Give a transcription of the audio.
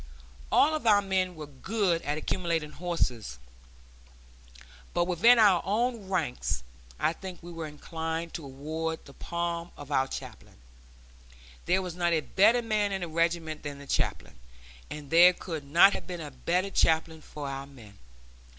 All of our men were good at accumulating horses, but within our own ranks I think we were inclined to award the palm to our chaplain. There was not a better man in the regiment than the chaplain, and there could not have been a better chaplain for our men.